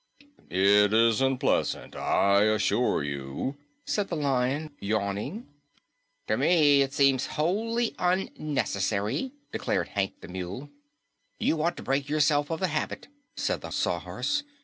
"It isn't pleasant, I assure you," said the Lion, yawning. "To me it seems wholly unnecessary," declared Hank the Mule. "You ought to break yourself of the habit," said the Sawhorse.